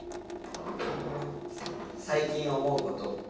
「最近思うこと。